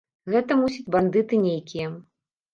Гэта, мусіць, бандыты нейкія.